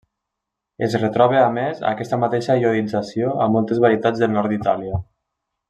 Es retroba a més aquesta mateixa iodització a moltes varietats del nord d'Itàlia.